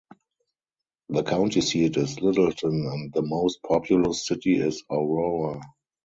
The county seat is Littleton, and the most populous city is Aurora.